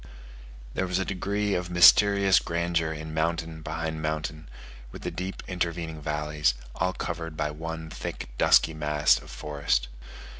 There was a degree of mysterious grandeur in mountain behind mountain, with the deep intervening valleys, all covered by one thick, dusky mass of forest.